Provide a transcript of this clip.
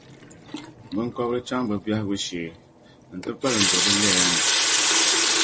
biŋkɔbiri chaŋ bɛ biɛhigu shee nti kpalim do bɛ lɛya ni.